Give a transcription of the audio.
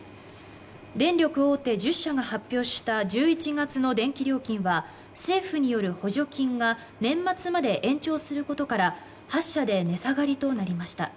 電力大手１０社が発表した１１月の電気料金は政府による補助金が年末まで延長することから８社で値下がりとなりました。